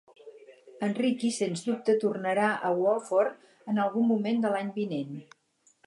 En Ricky sens dubte tornarà a Walford en algun moment de l'any vinent.